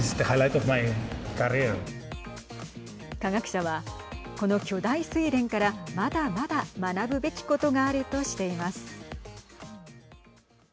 科学者はこの巨大スイレンからまだまだ学ぶべきことがあるとしています。